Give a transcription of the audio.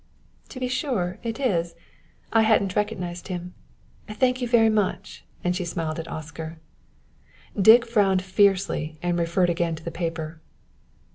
"To be sure it is! I hadn't recognized him. Thank you very much;" and she smiled at Oscar. Dick frowned fiercely and referred again to the paper.